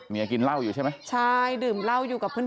กินเหล้าอยู่ใช่ไหมใช่ดื่มเหล้าอยู่กับเพื่อน